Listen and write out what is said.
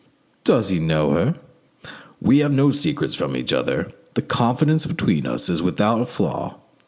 "Does he know her?" "We have no secrets from each other; the confidence between us is without a flaw.